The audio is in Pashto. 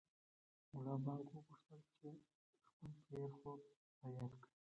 ملا بانګ وغوښتل چې خپل تېر خوب را یاد کړي.